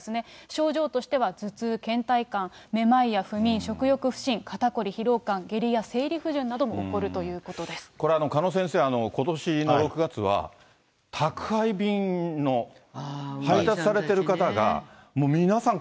症状としては頭痛、けん怠感、めまいや不眠、食欲不振、肩凝り、疲労感、下痢や生理不順なども起これ、鹿野先生、ことしの６月は、宅配便の配達されてる方が、もう皆さん